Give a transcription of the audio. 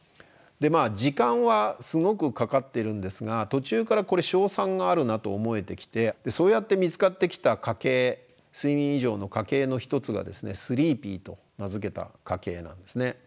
時間はすごくかかってるんですが途中からこれ勝算があるなと思えてきてそうやって見つかってきた家系睡眠異常の家系の一つがですねスリーピーと名付けた家系なんですね。